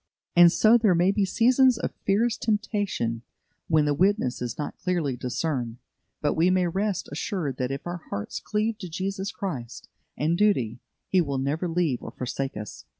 And so there may be seasons of fierce temptation when the witness is not clearly discerned; but we may rest assured that if our hearts cleave to Jesus Christ and duty, He will never leave or forsake us.